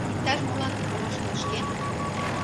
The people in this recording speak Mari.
Иктаж молан ала шыдешкен?